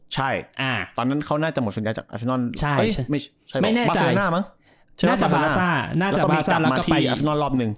ใช่ตอนนั้นเขาน่าจะหมดส่วนใหญ่จากอัศนอลไม่แน่ใจบาซาแล้วก็ไปอัศนอลรอบนึง